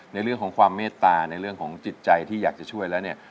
ในเรื่องของความเมตตาในเรื่องของจิตใจที่อยากจะช่วยแล้วเนี่ย